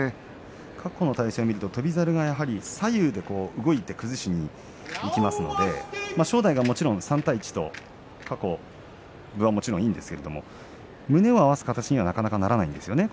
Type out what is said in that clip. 過去の対戦成績でいくと翔猿が左右に動いて崩しにいきますので正代がもちろん３対１と過去分はいいんですが胸を合わせる形にはなかなかなりませんね